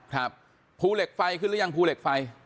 ภูเหล็กไฟขึ้นหรือยังภูเหล็กไฟ